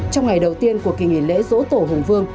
trong ngày đầu tiên của kỳ nghỉ lễ dỗ tổ hùng vương